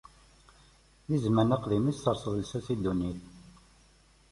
Di zzman aqdim i tserseḍ lsas i ddunit.